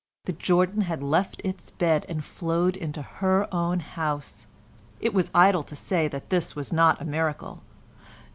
The Jordan had left its bed and flowed into her own house. It was idle to say that this was not a miracle.